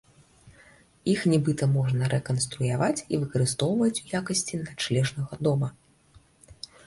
Іх нібыта можна рэканструяваць і выкарыстоўваць у якасці начлежнага дома.